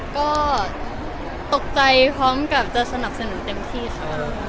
ก็ตกใจพร้อมกับจะสนับสนุนเต็มที่ค่ะ